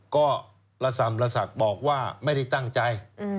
ก็ระสำละศักดิ์บอกว่าไม่ได้ตั้งใจ